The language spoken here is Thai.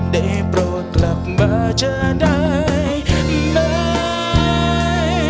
ได้กลับมาเจอใดไม่